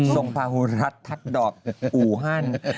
ทรงภาหุรัฐทัศน์ดอกอู่ฮั่น